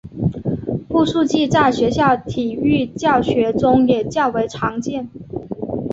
步数计在学校体育教学中也较为常见。